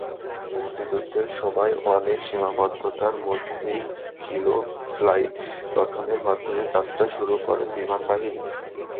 মুক্তিযুদ্ধের সময় অনেক সীমাবদ্ধতার মধেই কিলো ফ্লাইট গঠনের মাধ্যমে যাত্রা শুরু করে বিমান বাহিনী।